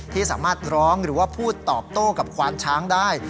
ที่สามารถร้องหรือว่าพูดตอบโต้กับควานช้างได้